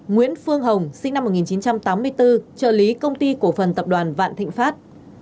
nguyễn phương hồng sinh năm một nghìn chín trăm tám mươi bốn trợ lý công ty cổ phần tập đoàn vạn thịnh pháp